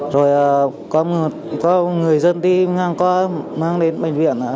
rồi có một người dân đi ngang qua mang đến bệnh viện